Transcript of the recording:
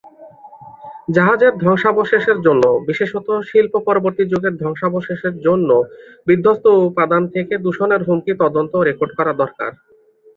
জাহাজের ধ্বংসাবশেষের জন্য, বিশেষত শিল্প-পরবর্তী যুগের ধ্বংসাবশেষের জন্য, বিধ্বস্ত উপাদান থেকে দূষণের হুমকি তদন্ত ও রেকর্ড করা দরকার।